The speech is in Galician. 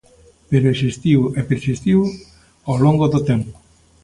Pero existiu e persistiu ao longo do tempo.